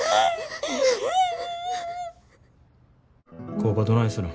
工場どないするん。